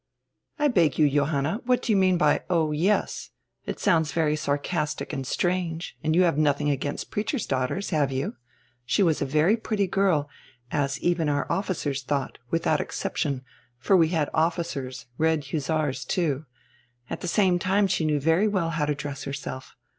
"I beg you, Johanna, what do you mean by 'oh yes?' It sounds very sarcastic and strange, and you have noth ing against preachers' daughters, have you? — She was a very pretty girl, as even our officers thought, without excep tion, for we had officers, red hussars, too. At die same time she knew very well how to dress herself.